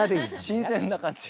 新鮮な感じが。